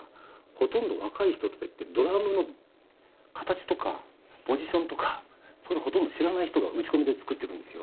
ほとんど若い人ってドラムの形とかポジションとかそういうのほとんど知らない人が打ち込みで作っていくんですよ。